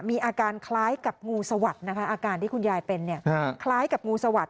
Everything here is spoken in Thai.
มีอาการคล้ายกับงูสวัสดิ์นะคะอาการที่คุณยายเป็นคล้ายกับงูสวัสด